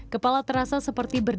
kepala terasa seperti berdekatan